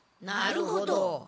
なるほど。